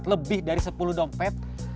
lebih dari sepuluh dompet